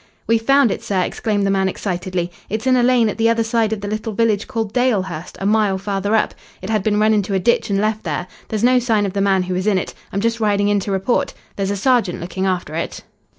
"We've found it, sir," exclaimed the man excitedly. "It's in a lane at the other side of the little village called Dalehurst, a mile farther up. It had been run into a ditch and left there. There's no sign of the man who was in it. I'm just riding in to report. There's a sergeant looking after it."